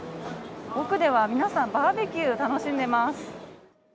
奥では皆さん、バーベキューを楽しんでます。